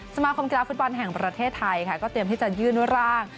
สมาคมกีฬาฟุตบอลแห่งประเทศไทยค่ะก็เตรียมที่จะยื่นร่าง